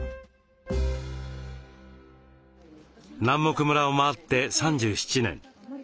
南牧村を回って３７年。